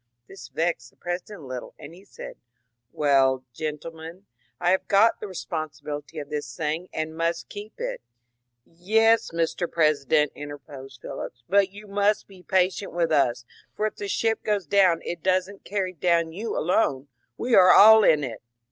This vexed the President a little, and he said :^^ Well, gentlemen, I have got the responsibility of tiiis thing and must keep it." *^ Yes, Mr. President," interposed Phillips, but you must be patient with us, for if the ship goes down it does n't carry down you alone : we are all in it."